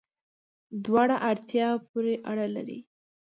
دواړه، اړتیا پوری اړه لری